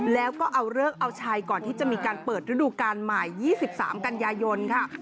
แล้วก็เลือกเช้าก่อนที่จะเปิดฤดูการใหม่๒๓กันยายนค่ะ